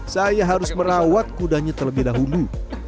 saya harus merawat kudanya terlebih dahulu